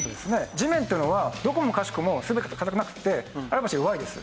地面っていうのはどこもかしこも全て硬くなくてある場所弱いです。